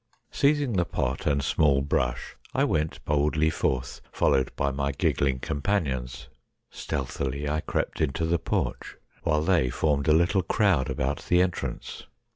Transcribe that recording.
Seizing the pot and small brush, I went boldly forth, followed by my giggling companions. Stealthily I crept into the porch, while they formed a little crowd about the entrance.